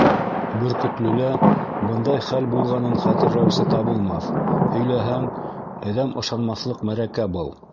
Бөркөтлөлә бындай хәл булғанын хәтерләүсе табылмаҫ, һөйләһәң, әҙәм ышанмаҫлыҡ мәрәкә был.